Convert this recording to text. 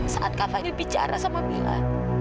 saat kak fadil bicara sama mila